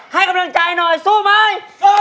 ให้กำลังใจหน่อยสู้มั้ย